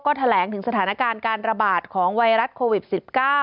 แถลงถึงสถานการณ์การระบาดของไวรัสโควิด๑๙